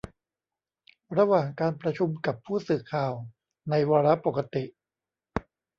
ระหว่างการประชุมกับผู้สื่อข่าวในวาระปกติ